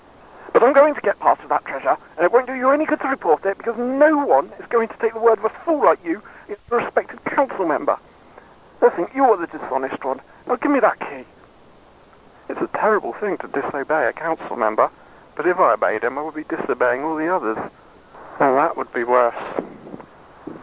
"But I'm going to get part of that Treasure. And it won't do you any good to report it, because no one is going to take the word of a fool like you, against a respected council member. They'll think you are the dishonest one. Now, give me that Key!" It's a terrible thing to disobey a council member. But if I obeyed him, I would be disobeying all the others. And that would be worse.